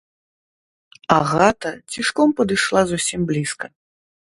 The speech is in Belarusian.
Агата цішком падышла зусім блізка.